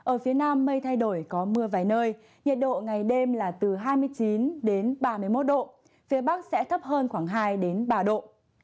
ở phía nam mây thay đổi có mưa vài nơi nhiệt độ ngày đêm là từ hai mươi chín đến ba mươi một độ phía bắc sẽ thấp hơn khoảng hai ba độ